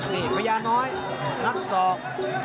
นี่พญาน้อยงัดศอก